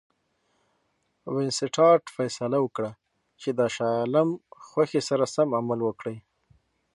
وینسیټارټ فیصله وکړه چې د شاه عالم خوښي سره سم عمل وکړي.